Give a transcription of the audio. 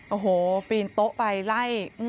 โอ้โหปีนโต๊ะไปไล่